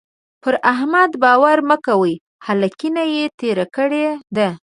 پر احمد باور مه کوئ؛ هلکينه يې تېره کړې ده.